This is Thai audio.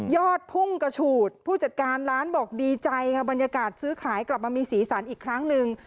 พุ่งกระฉูดผู้จัดการร้านบอกดีใจค่ะบรรยากาศซื้อขายกลับมามีสีสันอีกครั้งหนึ่ง